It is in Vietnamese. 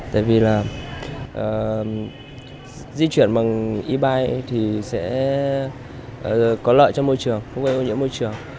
tại vì là di chuyển bằng e bike thì sẽ có lợi cho môi trường không gây ưu nhiễm môi trường